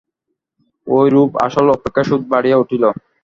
এইরূপে আসল অপেক্ষা সুদ বাড়িয়া উঠিল।